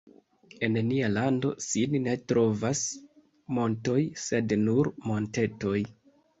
En nia lando sin ne trovas montoj, sed nur montetoj.